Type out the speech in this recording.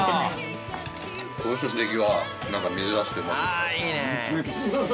あいいね。